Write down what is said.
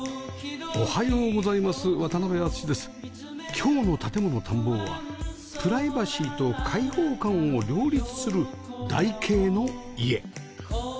今日の『建もの探訪』はプライバシーと開放感を両立する台形の家